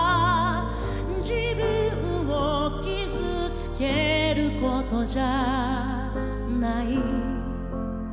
「自分を傷つけることじゃない」